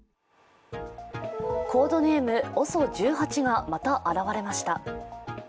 コードネーム・ＯＳＯ１８がまた現れました。